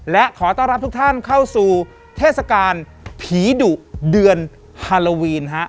และขอต้อนรับทุกท่านเข้าสู่เทศกาลผีดุเดือนฮาโลวีนฮะ